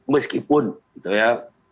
meskipun gitu ya